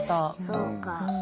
そうか。